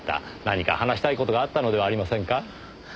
何か話したい事があったのではありませんか？